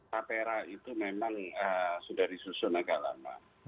tapera itu memang sudah disusun agak lama